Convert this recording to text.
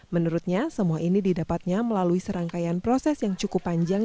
menurutnya semua ini didapatnya melalui serangkaian proses yang cukup panjang